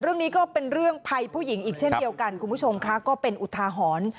เรื่องนี้ก็เป็นเรื่องภัยผู้หญิงอีกเช่นเดียวกันคุณผู้ชมค่ะก็เป็นอุทาหรณ์